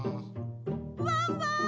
・ワンワーン！